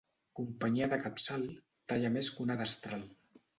Companyia de capçal talla més que una destral.